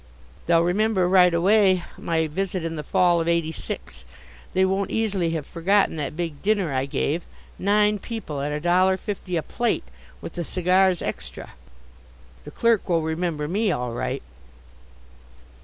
They'll remember right away my visit in the fall of '86. They won't easily have forgotten that big dinner I gave nine people at a dollar fifty a plate, with the cigars extra. The clerk will remember me, all right.